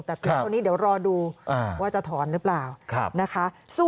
แต่เพียงเท่านี้เดี๋ยวรอดูว่าจะถอนหรือเปล่านะคะ